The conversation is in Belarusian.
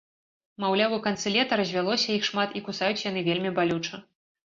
Маўляў, у канцы лета развялося іх шмат і кусаюць яны вельмі балюча.